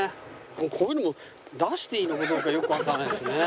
こういうのも出していいのかどうかよくわかんないしね。